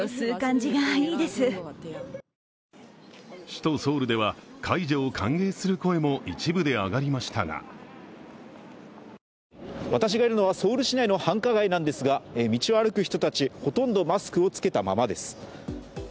首都ソウルでは解除を歓迎する声も一部で上がりましたが私がいるのはソウル市内の繁華街なんですが、道を歩く人たちほとんどマスクを着けたままです。